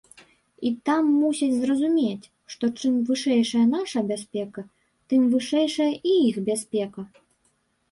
І там мусяць зразумець, што чым вышэйшая наша бяспека, тым вышэйшая іх бяспека.